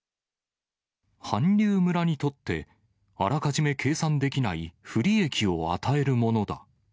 韓流村にとって、あらかじめ計算できない不利益を与えるものだ。